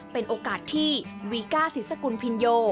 เป็นโอกาสที่วีก้าศิษกุลพินโย